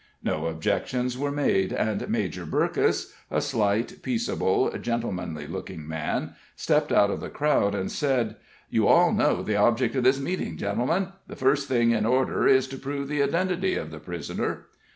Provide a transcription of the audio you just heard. No objections were made, and Major Burkess a slight, peaceable, gentlemanly looking man stepped out of the crowd, and said: "You all know the object of this meeting, gentlemen. The first thing in order is to prove the identity of the prisoner."